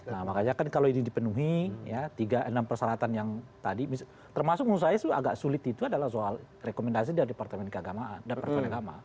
nah makanya kan kalau ini dipenuhi enam perseratan yang tadi termasuk menurut saya agak sulit itu adalah soal rekomendasi dari departemen keagamaan